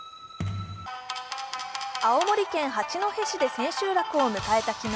青森県八戸市で千秋楽を迎えた昨日。